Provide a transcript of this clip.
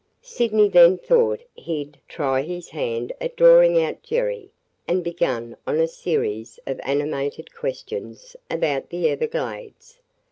Sydney then thought he 'd try his hand at drawing out Jerry and began on a series of animated questions about the Everglades.